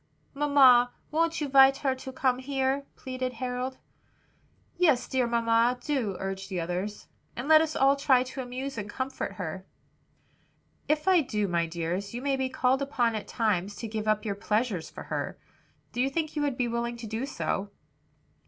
"Mamma, won't you 'vite her to come here?" pleaded Harold. "Yes, dear mamma, do," urged the others, "and let us all try to amuse and comfort her." "If I do, my dears, you may be called upon at times to give up your pleasures for her. Do you think you will be willing to do so?"